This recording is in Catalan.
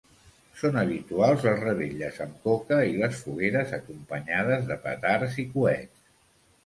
Són habituals les revetlles amb coca i les fogueres acompanyades de petards i coets.